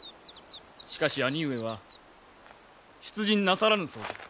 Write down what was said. しかし兄上は出陣なさらぬそうじゃ。